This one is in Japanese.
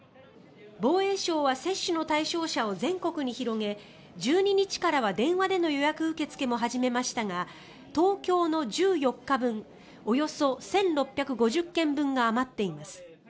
防衛省は接種の対象者を全国に広げ１２日からは電話での予約受け付けも始めましたが東京の１４日分およそ１６５０件分が余っています。